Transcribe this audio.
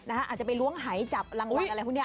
อาจจะไปล้วงหายจับรางวัลอะไรพวกนี้